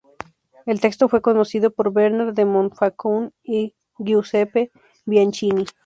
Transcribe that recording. El texto fue conocido por Bernard de Montfaucon y Giuseppe Bianchini.